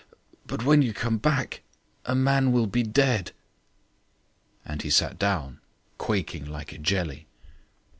But when you come back a man will be dead." And he sat down, quaking like a jelly.